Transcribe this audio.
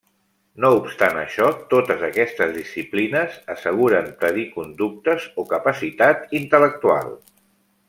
No obstant això, totes aquestes disciplines asseguren predir conductes o capacitat intel·lectual.